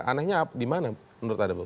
anehnya dimana menurut anda